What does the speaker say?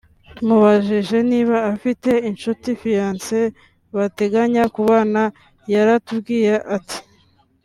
tumubajije niba afite inshuti (fiance) bateganya kubana yaratubwiye ati